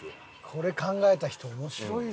これ考えた人面白いよ。